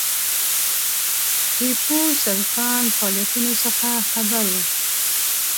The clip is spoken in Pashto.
ټیپو سلطان فعالیتونو څخه خبر وو.